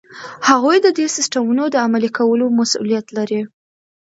هغوی ددې سیسټمونو د عملي کولو مسؤلیت لري.